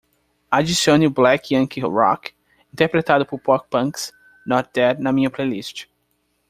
adicione Black Yankee Rock interpretado por Pop Punk's Not Dead na minha playlist